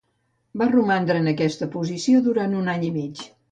Va romandre en aquesta posició durant un any i mig.